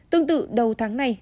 tương tự đầu tháng này